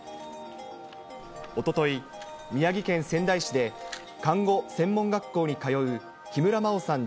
おととい、宮城県仙台市で、看護専門学校に通う木村真緒さん